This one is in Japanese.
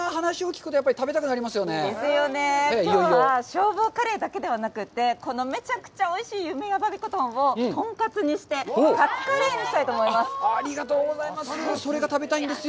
きょうは消防カレーだけではなくて、このめちゃくちゃおいしい「夢やまびこ豚」をトンカツにしてカツカレーにしたいと思います。